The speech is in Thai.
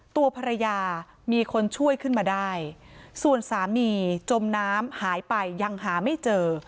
ตัวภรรยามีคนช่วยขึ้นมาได้ส่วนสามีจมน้ำหายไปยังหาไม่เจอ